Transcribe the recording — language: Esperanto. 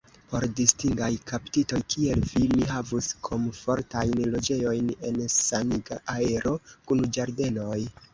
Por distingaj kaptitoj, kiel vi, mi havus komfortajn loĝejojn en saniga aero, kun ĝardenoj.